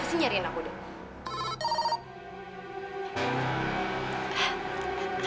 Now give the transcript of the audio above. pasti nyariin aku deh